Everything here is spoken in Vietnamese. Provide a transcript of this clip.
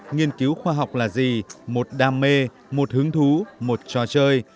nghiên cứu khoa học là gì một đam mê một hứng thú một trò chơi